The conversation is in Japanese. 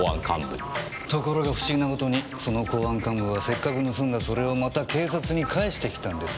ところが不思議な事にその公安幹部はせっかく盗んだそれをまた警察に返してきたんです。